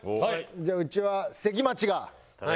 じゃあうちは関町が。